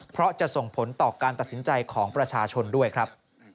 เพราะจะส่งผลต่อการตัดสินใจของประชาชนด้วยครับ